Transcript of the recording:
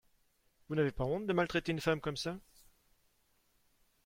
Vous n’avez pas honte de maltraiter une femme comme ça…